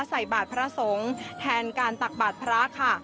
ใส่บาทพระสงฆ์แทนการตักบาทพระค่ะ